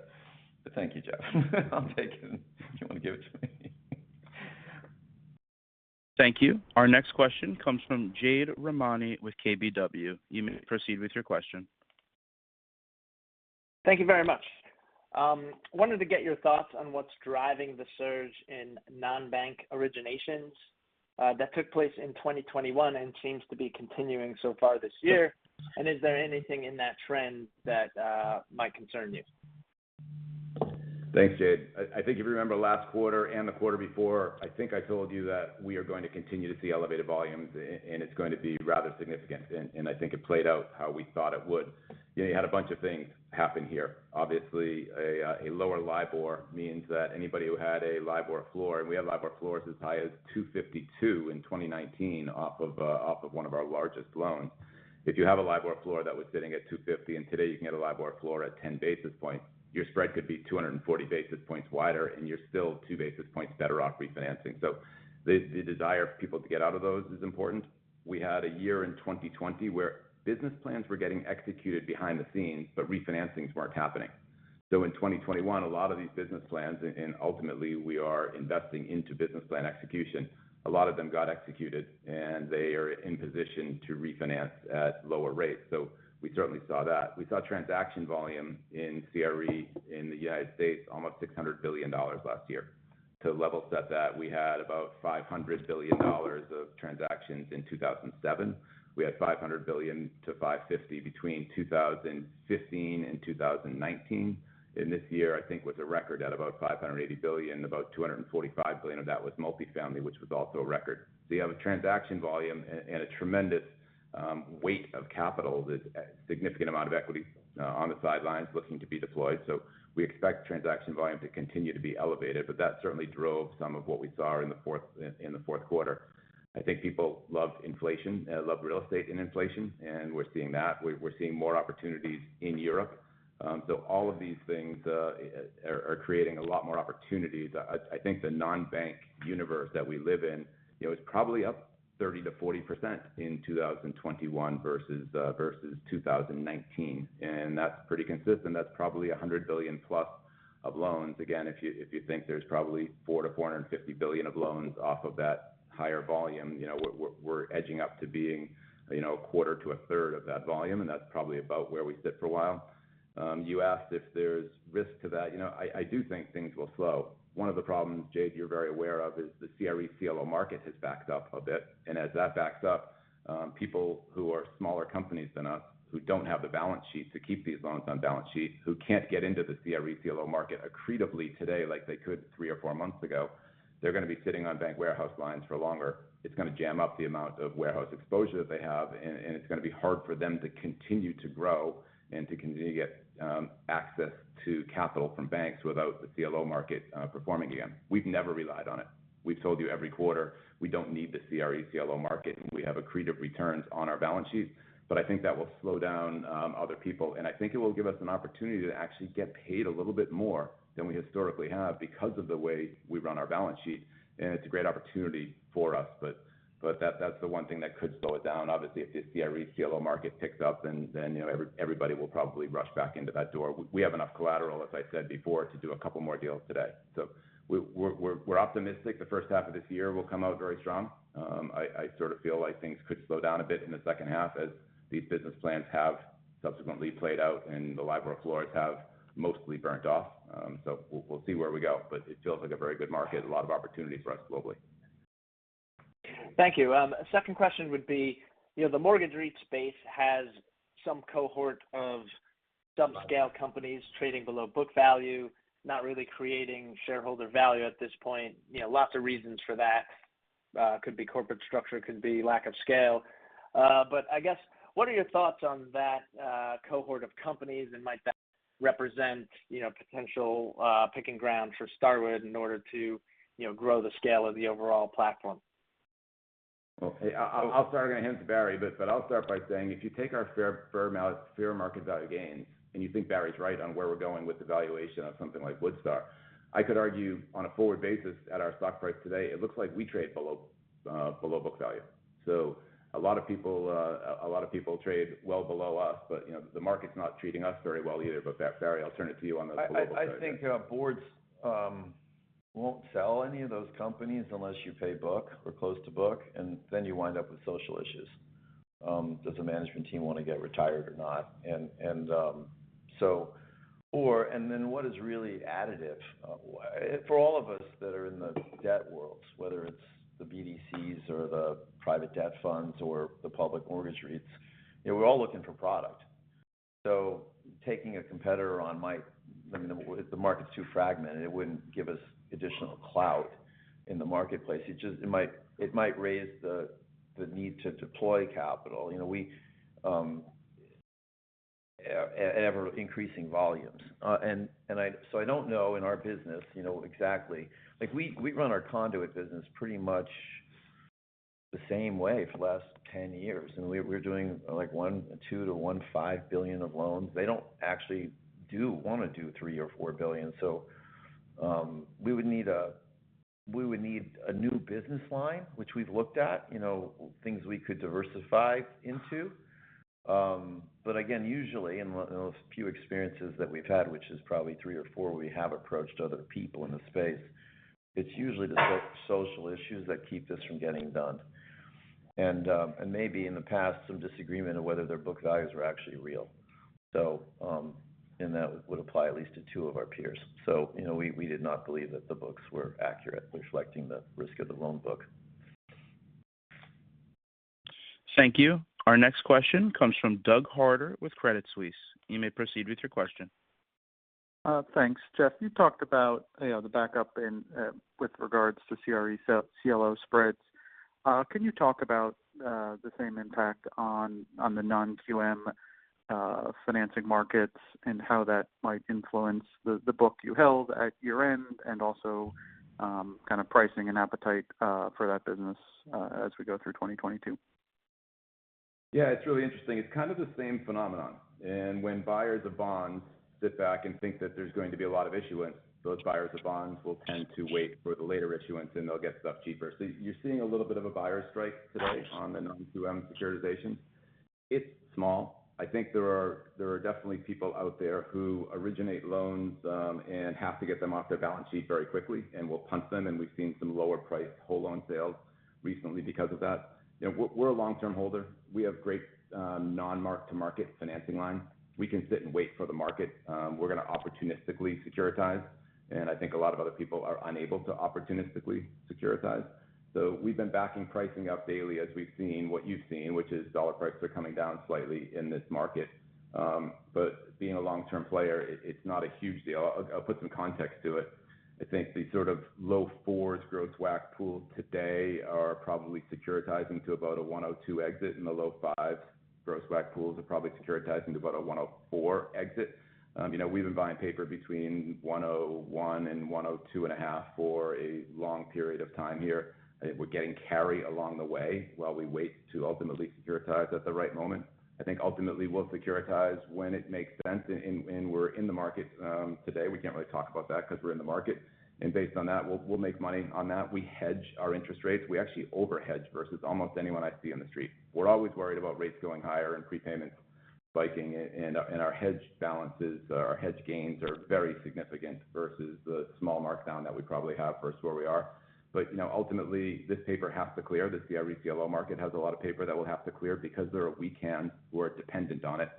Thank you, Jeff. I'll take it if you wanna give it to me? Thank you. Our next question comes from Jade Rahmani with KBW. You may proceed with your question. Thank you very much. Wanted to get your thoughts on what's driving the surge in non-bank originations that took place in 2021 and seems to be continuing so far this year. Is there anything in that trend that might concern you? Thanks, Jade. I think if you remember last quarter and the quarter before, I think I told you that we are going to continue to see elevated volumes and it's going to be rather significant. I think it played out how we thought it would. You know, you had a bunch of things happen here. Obviously a lower LIBOR means that anybody who had a LIBOR floor, and we had LIBOR floors as high as 252 in 2019 off of one of our largest loans. If you have a LIBOR floor that was sitting at 250, and today you can get a LIBOR floor at 10 basis points, your spread could be 240 basis points wider, and you're still 2 basis points better off refinancing. The desire for people to get out of those is important. We had a year in 2020 where business plans were getting executed behind the scenes, but refinancings weren't happening. In 2021, a lot of these business plans, and ultimately we are investing into business plan execution, a lot of them got executed, and they are in position to refinance at lower rates. We certainly saw that. We saw transaction volume in CRE in the United States almost $600 billion last year. To level set that, we had about $500 billion of transactions in 2007. We had $500 billion-$550 billion between 2015 and 2019. This year I think was a record at about $580 billion. About $245 billion of that was multifamily, which was also a record. You have a transaction volume and a tremendous weight of capital. There's a significant amount of equity on the sidelines looking to be deployed. We expect transaction volume to continue to be elevated, but that certainly drove some of what we saw in the fourth quarter. I think people loved inflation, loved real estate in inflation, and we're seeing that. We're seeing more opportunities in Europe. All of these things are creating a lot more opportunities. I think the non-bank universe that we live in, you know, is probably up 30%-40% in 2021 versus 2019. That's pretty consistent. That's probably $100 billion-plus of loans. Again, if you think there's probably $400 billion-$450 billion of loans off of that higher volume, you know, we're edging up to being, you know, a quarter to a third of that volume, and that's probably about where we sit for a while. You asked if there's risk to that. You know, I do think things will slow. One of the problems, Jade, you're very aware of is the CRE CLO market has backed up a bit. As that backs up, people who are smaller companies than us who don't have the balance sheet to keep these loans on balance sheet, who can't get into the CRE CLO market accretively today like they could three or four months ago, they're gonna be sitting on bank warehouse lines for longer. It's gonna jam up the amount of warehouse exposure that they have, and it's gonna be hard for them to continue to grow and to continue to get access to capital from banks without the CLO market performing again. We've never relied on it. We've told you every quarter, we don't need the CRE CLO market, and we have accretive returns on our balance sheet. I think that will slow down other people. I think it will give us an opportunity to actually get paid a little bit more than we historically have because of the way we run our balance sheet, and it's a great opportunity for us. That's the one thing that could slow it down. Obviously, if the CRE CLO market picks up, then you know everybody will probably rush back into that door. We have enough collateral, as I said before, to do a couple more deals today. We're optimistic the first half of this year will come out very strong. I sort of feel like things could slow down a bit in the second half as these business plans have subsequently played out and the LIBOR floors have mostly burned off. We'll see where we go. It feels like a very good market, a lot of opportunity for us globally. Thank you. Second question would be, you know, the mortgage REIT space has some cohort of subscale companies trading below book value, not really creating shareholder value at this point. You know, lots of reasons for that. Could be corporate structure, could be lack of scale. I guess, what are your thoughts on that cohort of companies, and might that represent, you know, potential picking ground for Starwood in order to, you know, grow the scale of the overall platform? Okay. I'll start. Gonna hand to Barry. I'll start by saying if you take our fair amount of fair market value gains, and you think Barry's right on where we're going with the valuation of something like Woodstar, I could argue on a forward basis at our stock price today, it looks like we trade below book value. A lot of people trade well below us, but you know, the market's not treating us very well either. Barry, I'll turn it to you on the global side there. I think boards won't sell any of those companies unless you pay book or close to book, and then you wind up with social issues. Does the management team wanna get retired or not? What is really additive for all of us that are in the debt worlds, whether it's the BDCs or the private debt funds or the public mortgage REITs, you know, we're all looking for product. Taking a competitor on might, I mean, the market's too fragmented. It wouldn't give us additional clout in the marketplace. It just might raise the need to deploy capital, you know, we at ever-increasing volumes. I don't know in our business, you know, exactly. Like, we run our Conduit business pretty much the same way for the last 10 years, and we're doing, like, $1.2 billion-$1.5 billion of loans. They don't actually wanna do $3 billion or $4 billion. We would need a new business line, which we've looked at, you know, things we could diversify into. But again, usually in one of those few experiences that we've had, which is probably 3 or 4, we have approached other people in the space, it's usually the social issues that keep this from getting done. And maybe in the past, some disagreement on whether their book values were actually real. That would apply at least to 2 of our peers, you know, we did not believe that the books were accurate, reflecting the risk of the loan book. Thank you. Our next question comes from Doug Harter with Credit Suisse. You may proceed with your question. Thanks. Jeff, you talked about, you know, the backup in with regards to CRE CLO spreads. Can you talk about the same impact on the non-QM financing markets and how that might influence the book you held at year-end and also kind of pricing and appetite for that business as we go through 2022? Yeah, it's really interesting. It's kind of the same phenomenon. When buyers of bonds sit back and think that there's going to be a lot of issuance, those buyers of bonds will tend to wait for the later issuance, and they'll get stuff cheaper. You're seeing a little bit of a buyer strike today on the non-QM securitization. It's small. I think there are definitely people out there who originate loans and have to get them off their balance sheet very quickly and will punt them, and we've seen some lower priced whole loan sales recently because of that. You know, we're a long-term holder. We have great non-mark-to-market financing line. We can sit and wait for the market. We're gonna opportunistically securitize, and I think a lot of other people are unable to opportunistically securitize. We've been backing pricing up daily as we've seen what you've seen, which is dollar prices are coming down slightly in this market. But being a long-term player, it's not a huge deal. I'll put some context to it. I think the sort of low 4s growth WAC pool today are probably securitizing to about a 102 exit, and the low 5s growth WAC pools are probably securitizing to about a 104 exit. You know, we've been buying paper between 101 and 102.5 for a long period of time here. We're getting carry along the way while we wait to ultimately securitize at the right moment. I think ultimately we'll securitize when it makes sense and we're in the market today. We can't really talk about that because we're in the market. Based on that, we'll make money on that. We hedge our interest rates. We actually overhedge versus almost anyone I see on the street. We're always worried about rates going higher and prepayments spiking. Our hedge balances, our hedge gains are very significant versus the small markdown that we probably have versus where we are. You know, ultimately, this paper has to clear. The CRE CLO market has a lot of paper that will have to clear because there are weak hands who are dependent on it.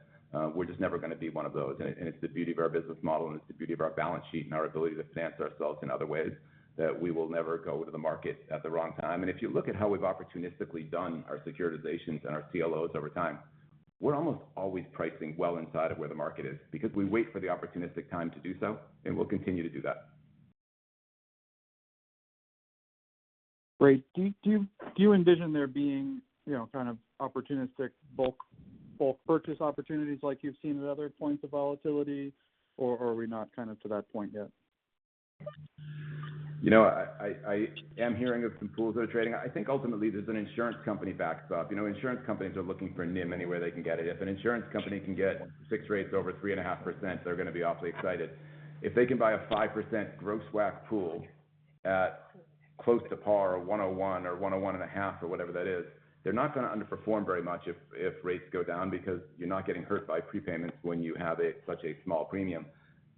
We're just never gonna be one of those. It's the beauty of our business model, and it's the beauty of our balance sheet and our ability to finance ourselves in other ways, that we will never go to the market at the wrong time. If you look at how we've opportunistically done our securitizations and our CLOs over time, we're almost always pricing well inside of where the market is because we wait for the opportunistic time to do so, and we'll continue to do that. Great. Do you envision there being, you know, kind of opportunistic bulk purchase opportunities like you've seen at other points of volatility, or are we not kind of to that point yet? You know, I am hearing of some pools that are trading. I think ultimately there's an Insurance company backstop. You know, Insurance companies are looking for NIM anywhere they can get it. If an Insurance company can get 6% rates over 3.5%, they're gonna be awfully excited. If they can buy a 5% gross WAC pool at close to par or 101 or 101.5 or whatever that is, they're not gonna underperform very much if rates go down because you're not getting hurt by prepayments when you have such a small premium.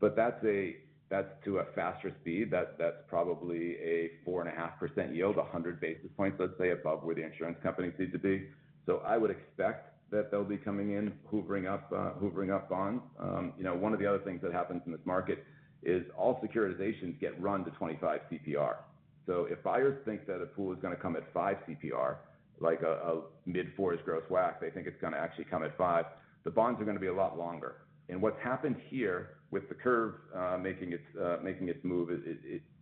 But that's to a faster speed. That's probably a 4.5% yield, 100 basis points, let's say, above where the Insurance companies need to be. I would expect that they'll be coming in, hoovering up bonds. You know, one of the other things that happens in this market is all securitizations get run to 25 CPR. If buyers think that a pool is gonna come at 5 CPR, like a mid-40s growth WAC, they think it's gonna actually come at 5, the bonds are gonna be a lot longer. What's happened here with the curve making its move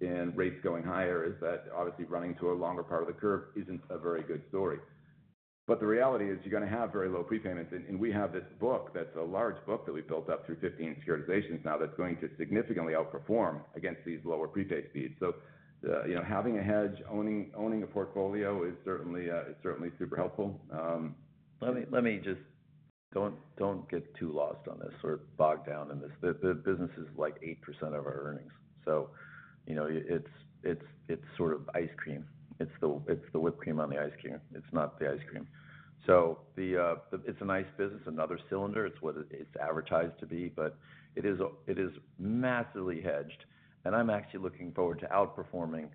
and rates going higher is that obviously running to a longer part of the curve isn't a very good story. The reality is you're gonna have very low prepayments. We have this book that's a large book that we built up through 15 securitizations now that's going to significantly outperform against these lower prepay speeds. You know, having a hedge, owning a portfolio is certainly super helpful. Let me just. Don't get too lost on this or bogged down in this. The business is like 8% of our earnings. You know, it's sort of ice cream. It's the whipped cream on the ice cream. It's not the ice cream. It's a nice business, another cylinder. It's what it's advertised to be, but it is massively hedged. I'm actually looking forward to outperforming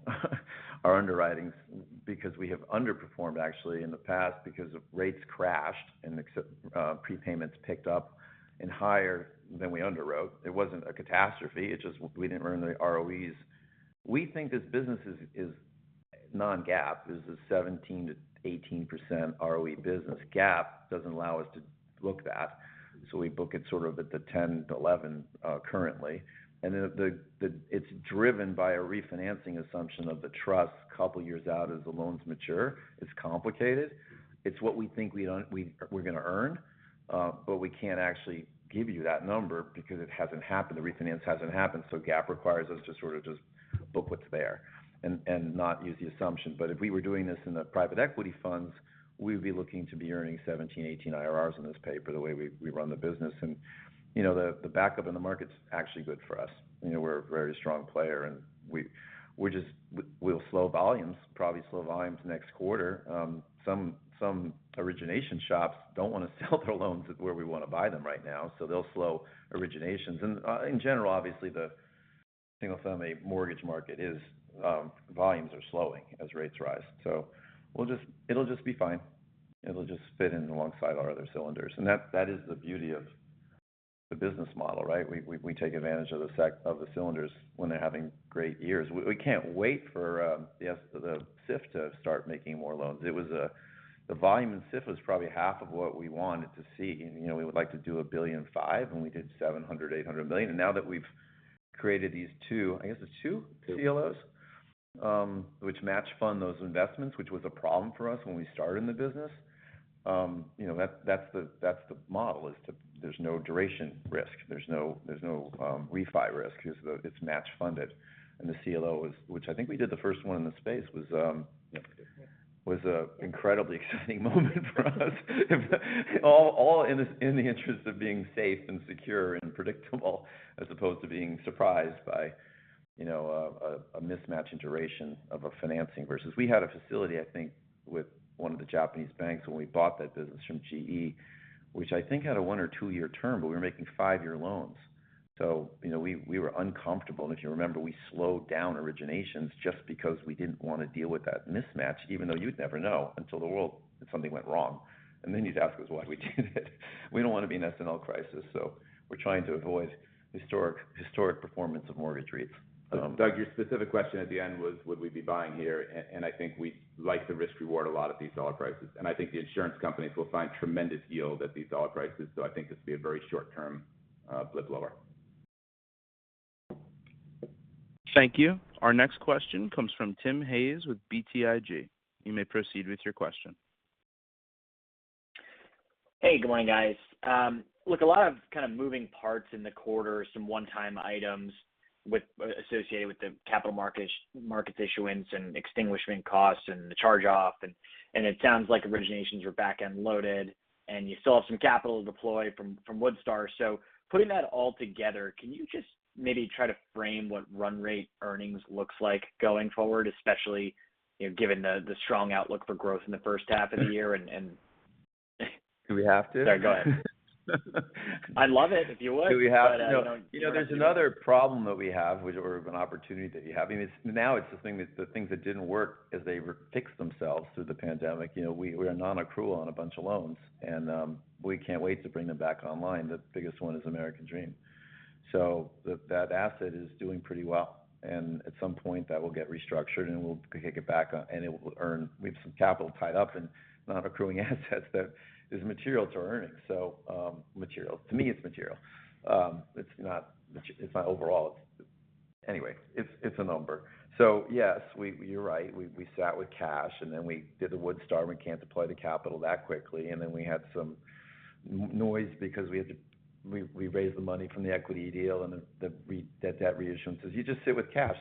our underwriting because we have underperformed actually in the past because rates crashed and prepayments picked up higher than we underwrote. It wasn't a catastrophe. It just, we didn't earn the ROEs. We think this business is non-GAAP. This is 17%-18% ROE business. GAAP doesn't allow us to book that. We book it sort of at the 10-11, currently. Then it's driven by a refinancing assumption of the trust couple years out as the loans mature. It's complicated. It's what we think we're gonna earn, but we can't actually give you that number because it hasn't happened. The refinance hasn't happened, so GAAP requires us to sort of just book what's there and not use the assumption. If we were doing this in the private equity funds, we'd be looking to be earning 17, 18 IRRs on this paper the way we run the business. You know, the backup in the market's actually good for us. You know, we're a very strong player, and we'll slow volumes, probably slow volumes next quarter. Some origination shops don't wanna sell their loans at where we wanna buy them right now, so they'll slow originations. In general, obviously, the single-family mortgage market volumes are slowing as rates rise. It'll just be fine. It'll just fit in alongside our other cylinders. That is the beauty of the business model, right? We take advantage of the cylinders when they're having great years. We can't wait for the SIF to start making more loans. The volume in SIF was probably half of what we wanted to see. You know, we would like to do $1.5 billion, and we did $700 million-$800 million. Now that we've created these 2, I guess it's 2 CLOs, which match fund those investments, which was a problem for us when we started in the business. You know, that's the model is to there's no duration risk. There's no refi risk 'cause it's match funded. The CLO is, which I think we did the first one in the space, was a incredibly exciting moment for us, all in the interest of being safe and secure and predictable, as opposed to being surprised by, you know, a mismatch in duration of a financing versus. We had a facility, I think, with one of the Japanese banks when we bought that business from GE, which I think had a 1 or 2-year term, but we were making 5-year loans. You know, we were uncomfortable. If you remember, we slowed down originations just because we didn't wanna deal with that mismatch, even though you'd never know until something went wrong. You'd ask us why we did it. We don't wanna be an S&L crisis, so we're trying to avoid historic performance of mortgage rates. Doug, your specific question at the end was, would we be buying here? And I think we like the risk reward a lot at these dollar prices, and I think the Insurance companies will find tremendous yield at these dollar prices. I think this will be a very short term blip lower. Thank you. Our next question comes from Tim Hayes with BTIG. You may proceed with your question. Hey, good morning, guys. Look, a lot of kind of moving parts in the quarter, some one-time items associated with the capital markets issuance and extinguishing costs and the charge-off. It sounds like originations were back-end loaded, and you still have some capital to deploy from Woodstar. Putting that all together, can you just maybe try to frame what run rate earnings looks like going forward, especially, you know, given the strong outlook for growth in the first half of the year? Do we have to? Sorry, go ahead. I'd love it if you would. You know, there's another problem that we have, which we have an opportunity that we have. I mean, it's the things that didn't work as they fix themselves through the pandemic. You know, we are non-accrual on a bunch of loans, and we can't wait to bring them back online. The biggest one is American Dream. That asset is doing pretty well. At some point, that will get restructured, and we'll kick it back, and it will earn. We have some capital tied up in non-accruing assets that is material to earnings. Material. To me, it's material. It's not overall. Anyway, it's a number. Yes, you're right. We sat with cash, and then we did the Woodstar, and we can't deploy the capital that quickly. Then we had some noise because we raised the money from the equity deal and the debt reissuance is you just sit with cash.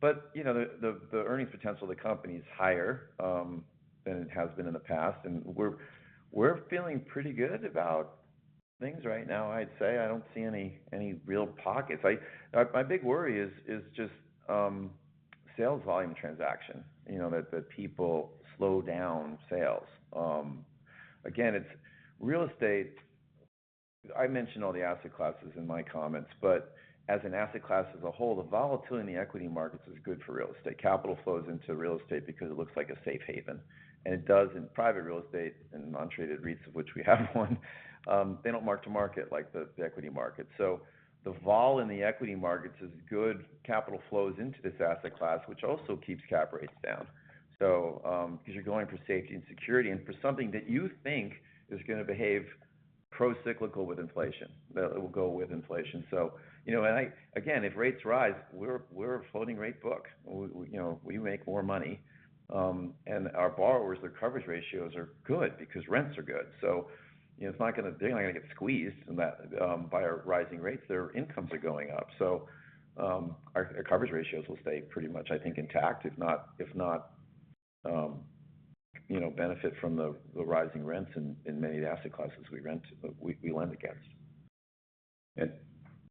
But you know, the earning potential of the company is higher than it has been in the past. We're feeling pretty good about things right now, I'd say. I don't see any real pockets. My big worry is just sales volume transaction. You know, that people slow down sales. Again, it's real estate. I mentioned all the asset classes in my comments, but as an asset class as a whole, the volatility in the equity markets is good for real estate. Capital flows into real estate because it looks like a safe haven, and it does in private real estate and non-traded REITs, of which we have one. They don't mark to market like the equity market. The vol in the equity markets is good. Capital flows into this asset class, which also keeps cap rates down. 'Cause you're going for safety and security and for something that you think is gonna behave pro-cyclical with inflation, that it will go with inflation. You know, again, if rates rise, we're a floating rate book. We, you know, we make more money, and our borrowers, their coverage ratios are good because rents are good. You know, they're not gonna get squeezed in that by our rising rates. Their incomes are going up. The coverage ratios will stay pretty much, I think, intact, if not, you know, benefit from the rising rents in many of the asset classes we lend against.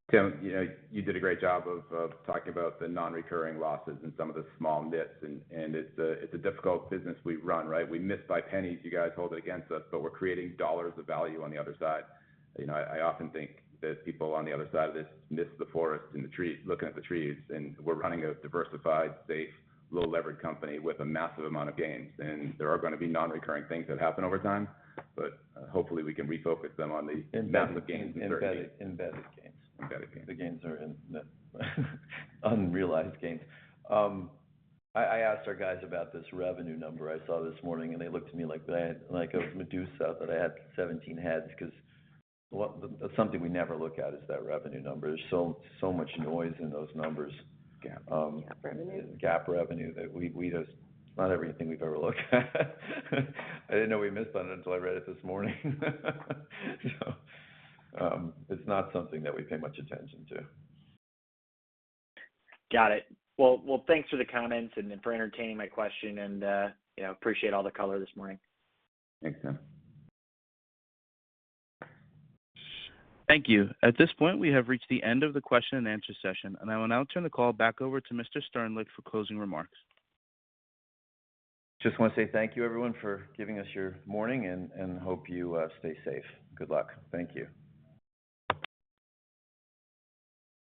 Tim, you know, you did a great job of talking about the non-recurring losses and some of the small bits and it's a difficult business we run, right? We miss by pennies. You guys hold it against us, but we're creating dollars of value on the other side. You know, I often think that people on the other side of this miss the forest and the trees, looking at the trees, and we're running a diversified, safe, low-leveraged company with a massive amount of gains. There are gonna be non-recurring things that happen over time, but hopefully, we can refocus them on the- Embedded. Massive gains in 30 years. Embedded gains. Embedded gains. The gains are in unrealized gains. I asked our guys about this revenue number I saw this morning, and they looked at me like a Medusa, that I had 17 heads, 'cause that's something we never look at is that revenue number. There's so much noise in those numbers. GAAP. GAAP revenue. GAAP revenue that we. It's not everything we've ever looked at. I didn't know we missed that until I read it this morning. It's not something that we pay much attention to. Got it. Well, thanks for the comments and then for entertaining my question and, you know, I appreciate all the color this morning. Thanks, Tim. Thank you. At this point, we have reached the end of the question and answer session, and I will now turn the call back over to Mr. Sternlicht for closing remarks. Just wanna say thank you everyone for giving us your morning and hope you stay safe. Good luck. Thank you.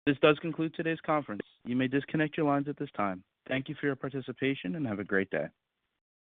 This does conclude today's conference. You may disconnect your lines at this time. Thank you for your participation, and have a great day.